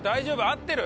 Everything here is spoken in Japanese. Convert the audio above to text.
合ってる？